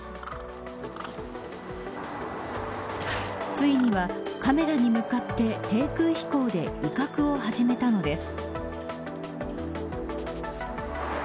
ついには、カメラに向かって低空飛行で威嚇を始めたのです。